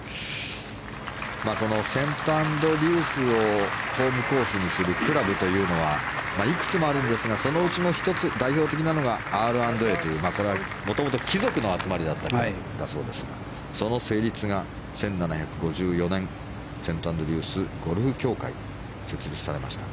このセントアンドリュースをホームコースにするクラブというのはいくつもあるんですがそのうちの１つ代表的なのがＲ＆Ａというこれは元々貴族の集まりだったそうですがその成立が１７５４年セントアンドリュースゴルフ協会が設立されました。